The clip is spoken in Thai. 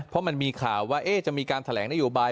เพราะมันมีข่าวว่าจะมีการแถลงนโยบาย